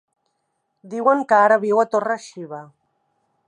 Diuen que ara viu a Torre-xiva.